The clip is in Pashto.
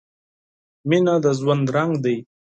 • مینه د ژوند رنګ دی.